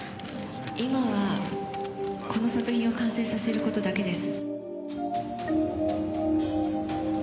「今はこの作品を完成させる事だけです」